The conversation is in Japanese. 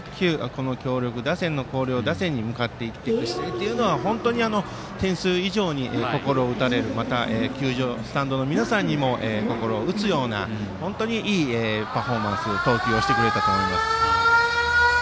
この強力打線の広陵打線に向かっていくのが本当に点数以上に心打たれるまた、スタンドの皆さんの心を打つような本当にいいパフォーマンス投球をしてくれたと思います。